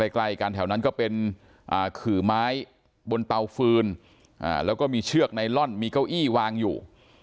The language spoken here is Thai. ใกล้กันแถวนั้นก็เป็นขื่อไม้บนเตาฟืนแล้วก็มีเชือกไนลอนมีเก้าอี้วางอยู่